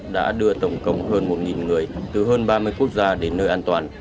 đã đưa tổng cộng hơn một người từ hơn ba mươi quốc gia đến nơi an toàn